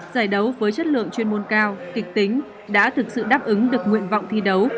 giải đấu với chất lượng chuyên môn cao kịch tính đã thực sự đáp ứng được nguyện vọng thi đấu